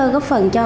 góp phần cho